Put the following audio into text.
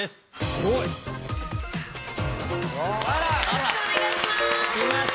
よろしくお願いします！